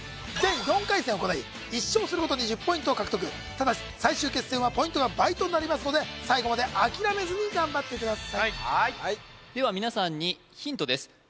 全４回戦行い１勝するごとに１０ポイントを獲得ただし最終決戦はポイントが倍となりますので最後まで諦めずに頑張ってくださいでは皆さんにヒントです